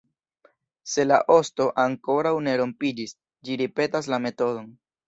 Se la osto ankoraŭ ne rompiĝis, ĝi ripetas la metodon.